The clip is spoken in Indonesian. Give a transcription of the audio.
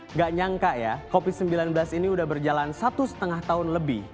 nggak nyangka ya covid sembilan belas ini sudah berjalan satu setengah tahun lebih